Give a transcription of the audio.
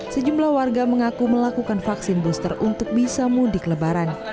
sejumlah warga mengaku melakukan vaksin booster untuk bisa mudik lebaran